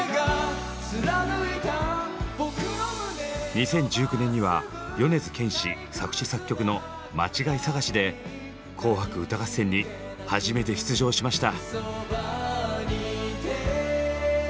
２０１９年には米津玄師作詞作曲の「まちがいさがし」で「紅白歌合戦」に初めて出場しました。